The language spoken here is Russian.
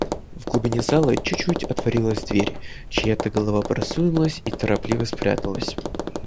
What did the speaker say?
В глубине залы чуть-чуть отворилась дверь; чья-то голова просунулась и торопливо спряталась.